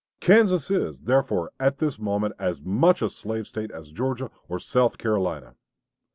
Kansas is, therefore, at this moment as much a slave State as Georgia or South Carolina.